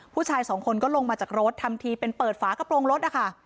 ผู้ชายสองคนก็ลงมาจากรถทำทีเป็นเปิดฝากระโปรงรถนะคะ